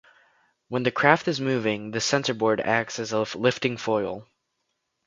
When the craft is moving, the centreboard acts as a lifting foil.